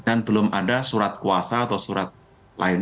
dan belum ada surat kuasa atau surat penerbit